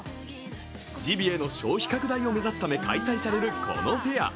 ジビエの消費拡大を目指すため開かれるこのフェア。